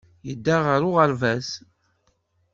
Yedda ɣer uɣerbaz.